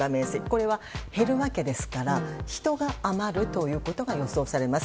これは減るわけですから人が余ることが予想されます。